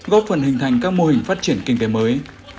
góp phần hình thành các mô hình phát triển kinh tế mới